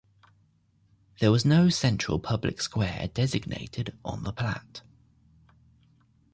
There was no central public square designated on the plat.